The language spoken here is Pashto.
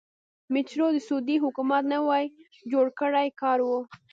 میټرو د سعودي حکومت نوی جوړ کړی کار و.